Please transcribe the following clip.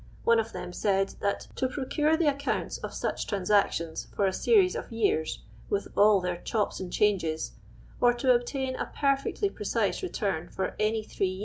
One of them said that to procure the accounts of such transactions for a series r,f years, with all their chops and changes, or to olitain a petiectly pneifc return, (or any threi."